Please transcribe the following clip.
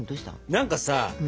何かさ